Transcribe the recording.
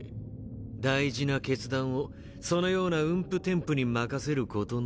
大事な決断をそのような運否天賦に任せることなど。